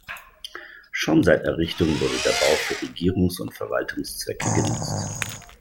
Schon seit Errichtung wurde der Bau für Regierungs- und Verwaltungszwecke genutzt.